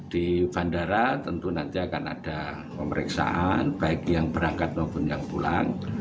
di bandara tentu nanti akan ada pemeriksaan baik yang berangkat maupun yang pulang